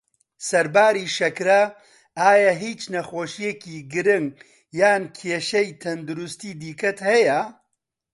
سەرباری شەکره، ئایا هیچ نەخۆشیەکی گرنگ یان کێشەی تەندروستی دیکەت هەیە؟